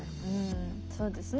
そうですね。